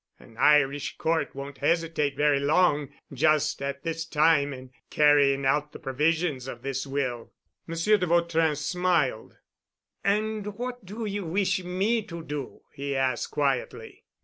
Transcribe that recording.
An Irish court won't hesitate very long just at this time in carrying out the provisions of this will." Monsieur de Vautrin smiled. "And what do you wish me to do?" he asked quietly.